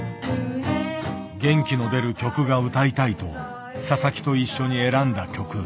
元気の出る曲が歌いたいと佐々木と一緒に選んだ曲。